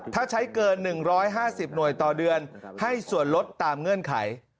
ถ้าใช้เกิน๑๕๐หน่วยต่อเดือนให้ส่วนลดตามเงื่อนไข